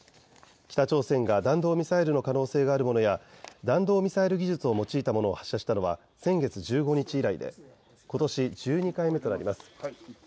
北朝鮮が弾道ミサイルの可能性があるものや弾道ミサイル技術を用いたものを発射したのは先月１５日以来でことし１２回目となります。